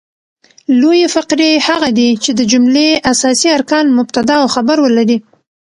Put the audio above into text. لویي فقرې هغه دي، چي د جملې اساسي ارکان مبتداء او خبر ولري.